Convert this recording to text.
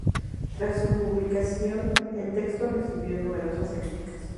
Tras su publicación, el texto recibió numerosas críticas.